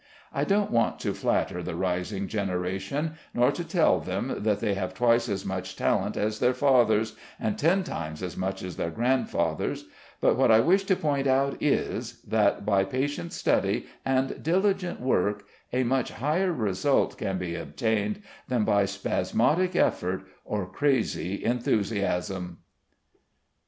I don't want to flatter the rising generation, nor to tell them that they have twice as much talent as their fathers, and ten times as much as their grandfathers; but what I wish to point out is, that by patient study and diligent work a much higher result can be obtained than by spasmodic effort or crazy enthusiasm.